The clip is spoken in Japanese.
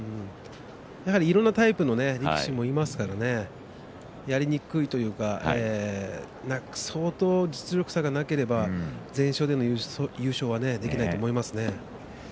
いろいろなタイプの力士もいますからねやりにくいというか相当実力差がなければ全勝での優勝はできないと思います。